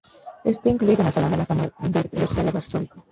Está incluido en el Salón de la Fama del Legia de Varsovia.